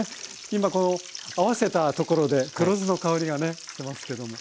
今この合わせたところで黒酢の香りがねしてますけども。